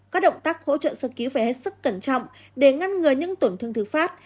các động tác hỗ trợ sơ cứu phải hết sức cẩn trọng để ngăn ngừa những tổn thương phát